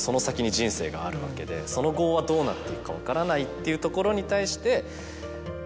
その後はどうなっていくか分からないっていうところに対して。